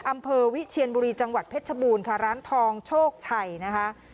อำเภอวิเชียนบุรีจังหวัดเพชรชบูรณ์ค่ะร้านทองโชคชัยนะคะ